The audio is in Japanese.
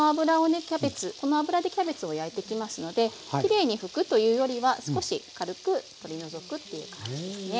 キャベツこの脂でキャベツを焼いていきますのできれいに拭くというよりは少し軽く取り除くっていう感じですね。